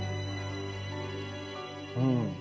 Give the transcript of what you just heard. うん。